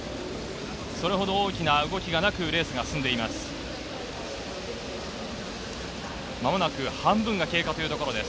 それほど大きな動きがなくレースが進んでいます。